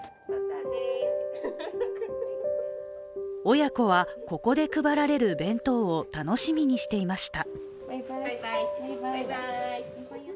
親子は、ここで配られる弁当を楽しみにしていました。